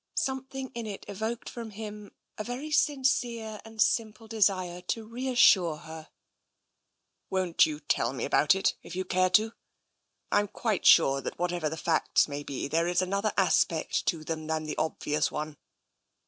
Something in it evoked from him a very sincere and simple desire to reassure her. TENSION 153 " Won't you tell me about it, if you care to? I'm quite sure that, whatever the facts may be, there is another aspect to them than the obvious one."